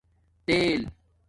تیل